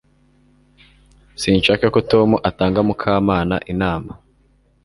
Sinshaka ko Tom atanga Mukamana inama